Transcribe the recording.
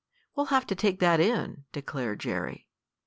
"We'll have to take that in," declared Jerry.